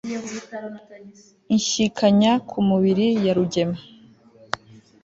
Inshyikanya ku mubiri ya Rugema